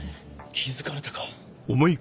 気付かれたか。